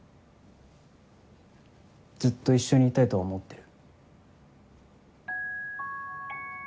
ずっと一緒にいたいとは思ってる。